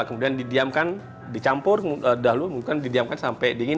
kemudian dicampur kemudian didiamkan sampai dingin